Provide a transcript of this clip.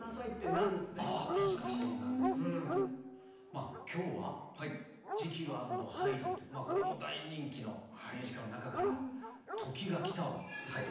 まあ今日は「ジキル＆ハイド」というこれも大人気のミュージカルの中から「時が来た」を歌ってくれる。